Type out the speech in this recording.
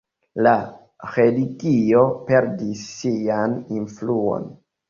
La religio perdis sian influon.